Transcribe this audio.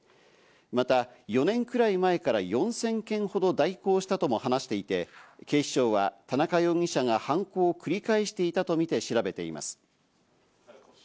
また、４年くらい前から４０００件ほど代行したとも話していて、警視庁は田中容疑者が犯行を繰り返していたとみて調べています。